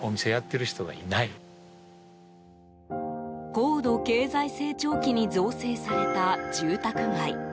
高度経済成長期に造成された住宅街。